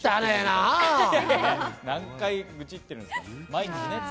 何回、愚痴ってるんですか。